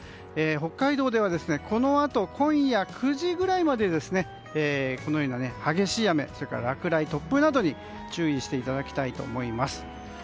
北海道ではこのあと今夜９時ぐらいまでこのような激しい雨落雷、突風などに注意していただきたいと思います。